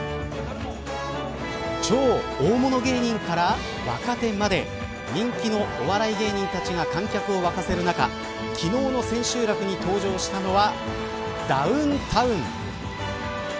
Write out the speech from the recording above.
超大物芸人から若手まで人気のお笑い芸人たちが観客を沸かせる中昨日の千秋楽に登場したのはダウンタウン。